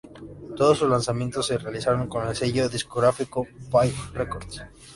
Todos sus lanzamientos se realizaron con el sello discográfico Pye Records.